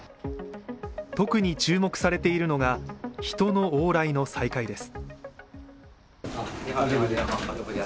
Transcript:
特に注目されているのが人の往来の再開です。